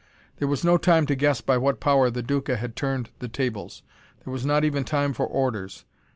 There was no time to guess by what power the Duca had turned the tables. There was not even time for orders.